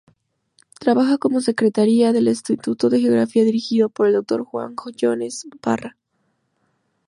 Trabaja como secretaria del Instituto de Geografía dirigido por el Dr Juan Jones Parra.